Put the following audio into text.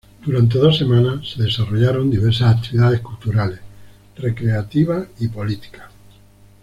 Durante dos semanas se desarrollaron diversas actividades culturales, recreativas y políticas.